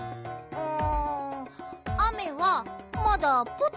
うん。